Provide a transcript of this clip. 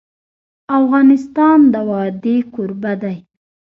افغانستان د وادي کوربه دی.